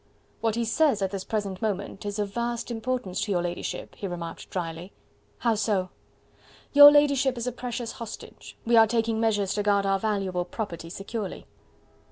"What he says at this present moment is of vast importance to your ladyship," he remarked drily. "How so?" "Your ladyship is a precious hostage. We are taking measures to guard our valuable property securely."